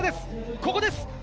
ここです。